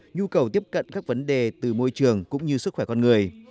nhu cầu tiếp cận các vấn đề từ môi trường cũng như sức khỏe con người